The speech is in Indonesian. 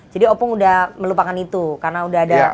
jadi opung sudah melupakan itu karena sudah ada